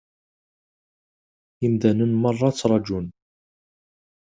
Imdanen meṛṛa ttargun.